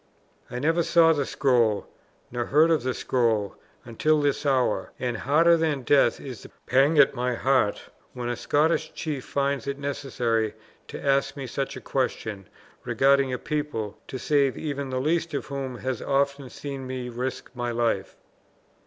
"I never saw the scroll, nor heard of the scroll, until this hour. And harder than death is the pang at my heart when a Scottish chief finds it necessary to ask me such a question regarding a people, to save even the least of whom he has often seen me risk my life!"